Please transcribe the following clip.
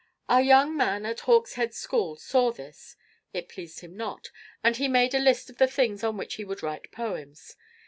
Our young man at Hawkshead School saw this: it pleased him not, and he made a list of the things on which he would write poems.